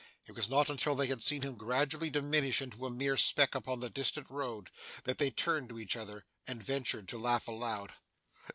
It was not until they had seen him gradually diminish into a mere speck upon the distant road, that they turned to each other, and ventured to laugh aloud.